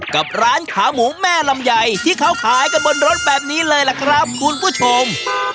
กับร้านขาหมูแม่ลำไยที่เขาขายกันบนรถแบบนี้เลยล่ะครับคุณผู้ชม